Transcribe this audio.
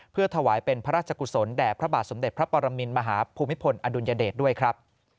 เพื่อถวายเป็นพระราชกุศลแด่พระบาทสมเด็จพระปรมินมหาภูมิพลอดุลยเดชด้วยครับ